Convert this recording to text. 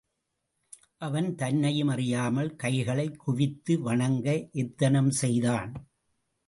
அவன் தன்னையும் அறியாமல், கைகளைக் குவித்து வணங்க எத்தனம் செய்தான்.